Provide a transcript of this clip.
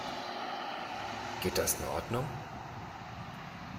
Geht das in Ordnung?